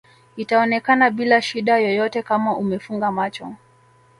itaonekana bila shida yoyote Kama umefunga macho